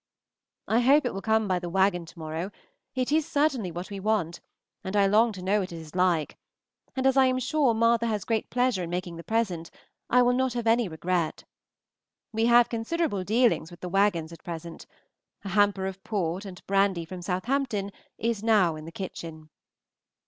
I hope it will come by the wagon to morrow; it is certainly what we want, and I long to know what it is like, and as I am sure Martha has great pleasure in making the present, I will not have any regret. We have considerable dealings with the wagons at present: a hamper of port and brandy from Southampton is now in the kitchen.